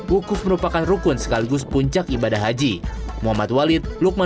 wukuf merupakan rukun sekaligus puncak ibadah haji